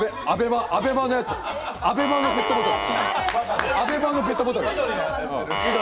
ＡＢＥＭＡのペットボトル。